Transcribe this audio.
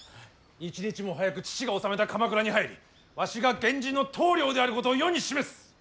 一日も早く父が治めた鎌倉に入りわしが源氏の棟梁であることを世に示す。